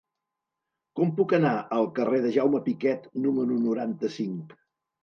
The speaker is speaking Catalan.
Com puc anar al carrer de Jaume Piquet número noranta-cinc?